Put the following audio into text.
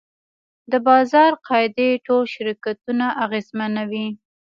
د بازار قاعدې ټول شرکتونه اغېزمنوي.